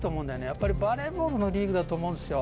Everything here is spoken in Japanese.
やっぱりバレーボールのリーグだと思うんですよ。